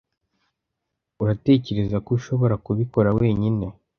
uratekereza ko ushobora kubikora wenyine